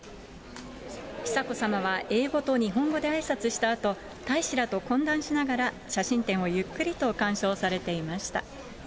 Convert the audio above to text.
久子さまは英語と日本語であいさつした後、大使らと懇談しながら、写真展をゆっくりと鑑賞されていました。